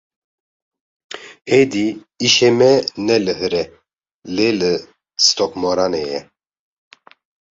Êdî îşê me ne li hire lê li Stokmoranê ye.